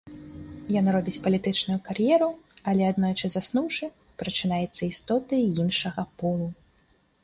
Ен робіць палітычную кар'еру, але, аднойчы заснуўшы, прачынаецца істотай іншага полу.